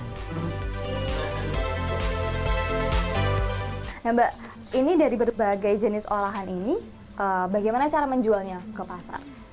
mbak ini dari berbagai jenis olahan ini bagaimana cara menjualnya ke pasar